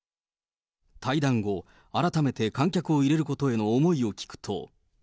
会談後、改めて観客を入れることへの思いを聞くと。